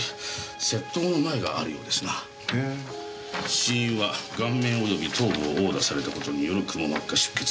死因は顔面及び頭部を殴打された事によるくも膜下出血。